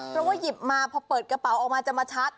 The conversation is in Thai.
เพราะว่าหยิบมาพอเปิดกระเป๋าออกมาจะมาชัด